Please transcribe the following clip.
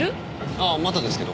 ああまだですけど。